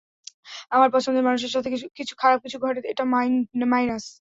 আমার পছন্দের মানুষের সাথে খারাপ কিছু ঘটে, এটা মাইনাস।